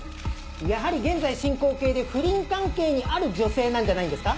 やはり現在進行形で不倫関係にある女性なんじゃないんですか？